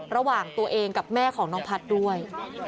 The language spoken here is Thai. ระหว่างตัวเองกับแม่ของน้องพัฒน์ด้วย